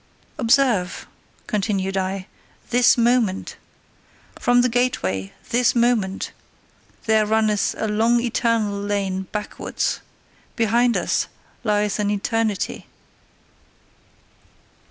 "Observe," continued I, "This Moment! From the gateway, This Moment, there runneth a long eternal lane BACKWARDS: behind us lieth an eternity.